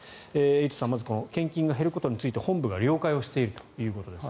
エイトさん、まず献金が減ることについて本部が了解しているということです。